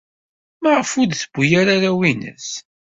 Maɣef ur d-tewwi ara arraw-nnes?